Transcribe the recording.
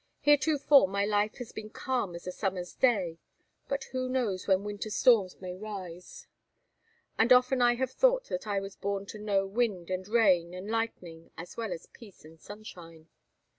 Heretofore my life has been calm as a summer's day; but who knows when winter storms may rise, and often I have thought that I was born to know wind and rain and lightning as well as peace and sunshine.